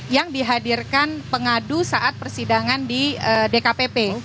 yang dihadirkan pengadu saat persidangan di dkpp